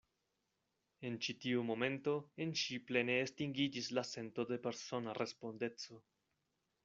En ĉi tiu momento en ŝi plene estingiĝis la sento de persona respondeco.